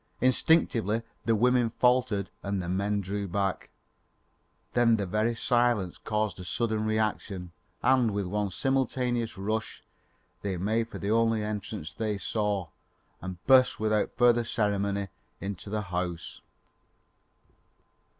Instinctively the women faltered and the men drew back; then the very silence caused a sudden reaction, and with one simultaneous rush, they made for the only entrance they saw and burst without further ceremony into the house.